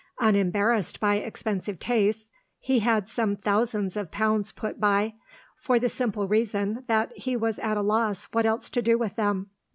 Unembarrassed by expensive tastes, he had some thousands of pounds put by for the simple reason that he was at a loss what else to do with them.